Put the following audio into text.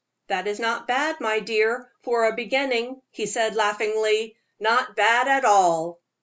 "That is not bad, my dear, for a beginning," he said, laughingly "not bad at all."